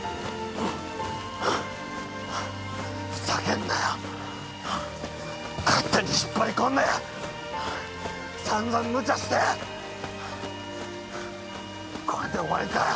ふざけんなよ勝手に引っ張り込んでさんざんむちゃしてこれで終わりかよ